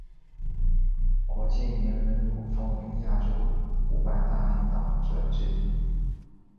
国际名人录封为亚洲五百大领导者之一。